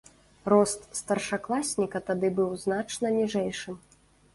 Рост старшакласніка тады быў значна ніжэйшым.